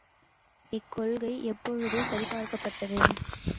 இக்கொள்கை எப்பொழுது சரிபார்க்கப்பட்டது?